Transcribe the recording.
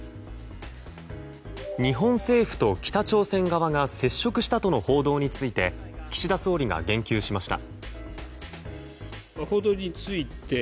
日本政府と北朝鮮側が接触したとの報道について岸田総理が言及しました。